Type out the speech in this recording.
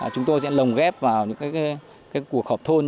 chúng tôi sẽ lồng ghép vào những cuộc họp thôn